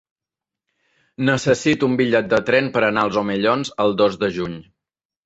Necessito un bitllet de tren per anar als Omellons el dos de juny.